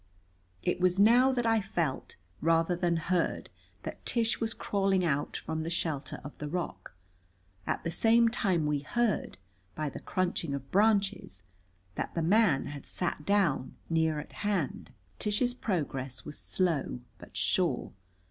It was now that I felt, rather than heard, that Tish was crawling out from the shelter of the rock. At the same time we heard, by the crunching of branches, that the man had sat down near at hand. Tish's progress was slow but sure.